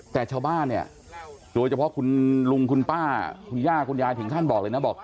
แต่ชาวบ้านเนี่ยโดยเฉพาะคุณลุงคุณป้าคุณย่าคุณยายถึงขั้นบอกเลยนะบอก